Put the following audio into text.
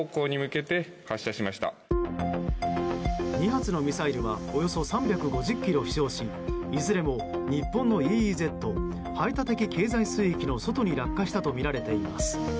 ２発のミサイルはおよそ３５０ｋｍ飛翔しいずれも日本のＥＥＺ・排他的経済水域の外に落下したとみられています。